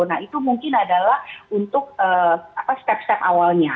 nah itu mungkin adalah untuk step step awalnya